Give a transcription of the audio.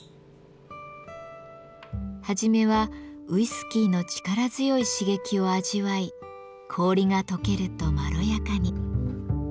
はじめはウイスキーの力強い刺激を味わい氷がとけるとまろやかに。